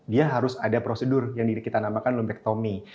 dia harus ada prosedur yang kita namakan lumbektomy